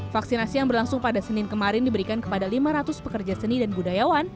vaksinasi yang berlangsung pada senin kemarin diberikan kepada lima ratus pekerja seni dan budayawan